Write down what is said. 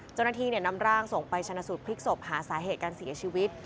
เจ้าหน้าที่นำร่างส่งไปชนะสูตรพลิกศพหาสาเหตุการเสียชีวิต